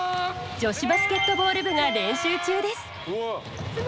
女子バスケットボール部が練習中です。